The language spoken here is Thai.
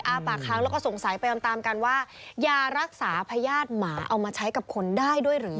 ปากค้างแล้วก็สงสัยไปตามตามกันว่ายารักษาพญาติหมาเอามาใช้กับคนได้ด้วยหรือ